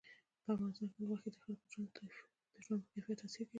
په افغانستان کې غوښې د خلکو د ژوند په کیفیت تاثیر کوي.